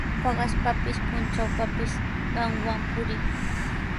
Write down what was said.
Paqaspapis, puntrawpapis qamwan purii.